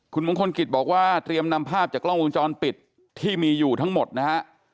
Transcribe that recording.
คุณมงคลกิจบอกว่าเตรียมนำภาพจากกล้องวงจรปิดที่มีอยู่ทั้งหมดนะฮะ